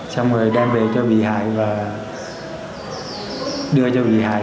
xong rồi đem về cho bị hại và đưa cho bị hại